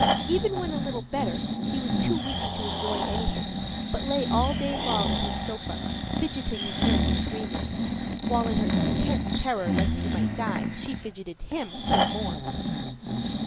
Even when a little better, he was too weak to enjoy anything, but lay all day long on his sofa, fidgeting his nurse extremely while, in her intense terror lest he might die, she fidgeted him still more.